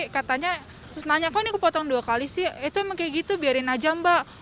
katanya terus nanya kok ini kepotong dua kali sih itu emang kayak gitu biarin aja mbak